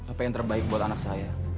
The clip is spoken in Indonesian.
apa yang terbaik buat anak saya